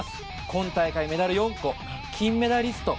今大会メダル４個金メダリスト